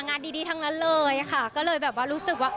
งานดีดีทั้งนั้นเลยค่ะก็เลยแบบว่ารู้สึกว่า